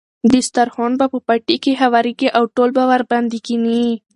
دسترخوان به په پټي کې هوارېږي او ټول به ورباندې کېني.